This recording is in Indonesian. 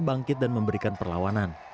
bangkit dan memberikan perlawanan